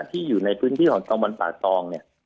ที่อยู่ในพื้นที่ของตำบลป่าตองเนี่ย